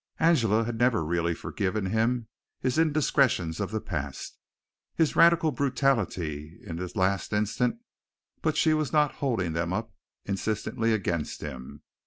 Angela had never really forgiven him his indiscretions of the past, his radical brutality in the last instance, but she was not holding them up insistently against him.